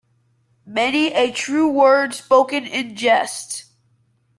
Many a true word spoken in jest.